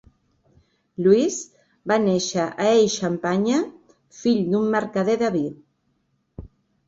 Louis va néixer a Ay, Xampanya, fill d'un mercader de vi.